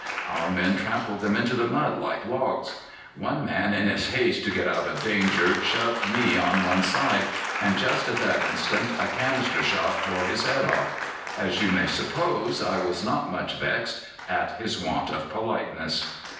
Our men trampled them into the mud like logs. One man in his haste to get out of danger shoved me on one side, and just at that instant a canister shot tore his head off. As you may suppose, I was not much vexed at his want of politeness.